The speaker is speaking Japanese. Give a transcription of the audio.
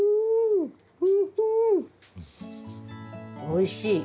おいしい。